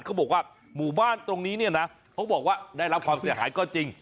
เขาบอกว่าหมู่บ้านตรงนี้เนี่ยนะเขาบอกว่าได้รับความเสียหายก็จริง